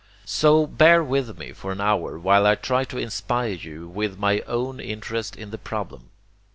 So bear with me for an hour while I try to inspire you with my own interest in the problem.